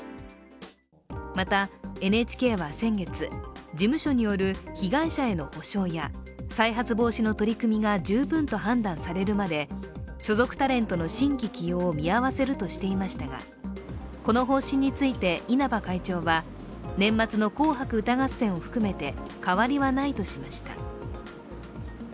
また、ＮＨＫは先月事務所による被害者への補償や再発防止の取り組みが十分と判断されるまで所属タレントの新規起用を見合わせるとしていましたが、この方針について稲葉会長は年末の「紅白歌合戦」を含めて変わりはないとしました。